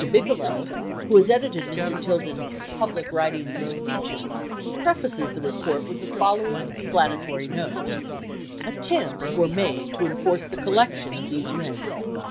Bigelow, who has edited Mr. Tilden's Public Writings and Speeches, prefaces the report with the following explanatory note: "Attempts were made to enforce the collection of these rents.